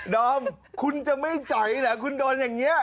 ดอมคุณจะไม่ใจเหรอคุณโดนอย่างนี้